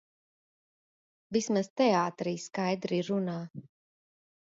Vismaz teātrī skaidri runā.